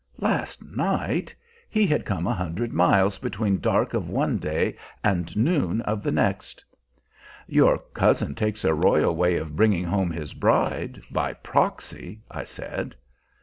Last night! He had come a hundred miles between dark of one day and noon of the next! "Your cousin takes a royal way of bringing home his bride by proxy," I said.